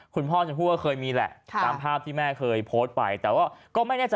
คุณพ่อจะพูดว่าเคยมีแหละตามภาพที่แม่เคยโพสต์ไป